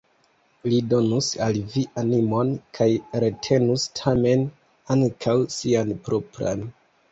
Li donus al vi animon kaj retenus tamen ankaŭ sian propran.